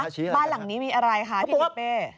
ทำไมคะบ้านหลังนี้มีอะไรค่ะพี่พี่เป๊